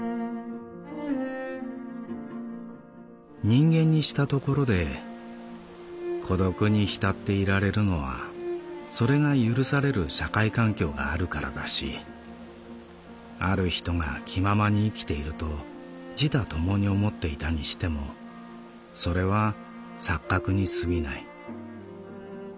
「人間にしたところで孤独に浸っていられるのはそれが許される社会環境があるからだしある人が気ままに生きていると自他共に思っていたにしてもそれは錯覚にすぎない。